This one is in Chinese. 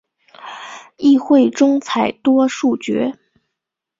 议会中采多数决。